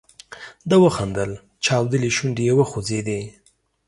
ده وخندل، چاودلې شونډې یې وخوځېدې.